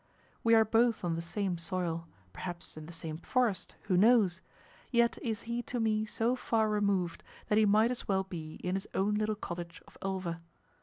We are both on the same soil, perhaps in the same forest who knows? yet is he to me so far removed that he might as well be in his own little cottage of Ulva.